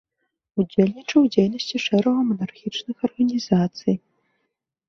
Удзельнічаў у дзейнасці шэрагу манархічных арганізацый.